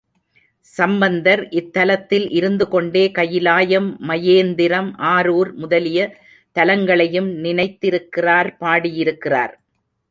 சம்பந்தர் இத்தலத்தில் இருந்து கொண்டே கயிலாயம், மயேந்திரம், ஆரூர் முதலிய தலங்களையும் நினைத்திருக்கிறார் பாடியிருக்கிறார்.